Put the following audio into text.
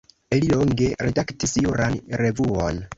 Li longe redaktis juran revuon.